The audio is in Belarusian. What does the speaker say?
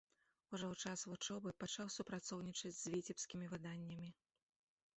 Ужо ў час вучобы пачаў супрацоўнічаць з віцебскімі выданнямі.